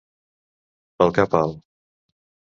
Pel cap alt.